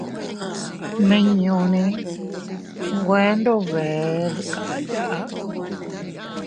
Nminñune nwe tndube dkaya.